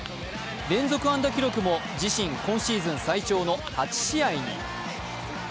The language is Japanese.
連続安打記録も自身今シーズン最長の８試合に。